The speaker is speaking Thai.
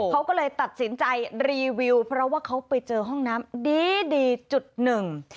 เขาก็เลยตัดสินใจรีวิวเพราะว่าเขาไปเจอห้องน้ำดีดีจุดหนึ่ง